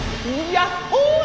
やっほい！